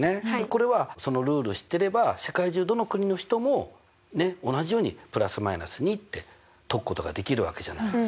これはそのルールを知ってれば世界中どの国の人も同じように±２って解くことができるわけじゃないですか。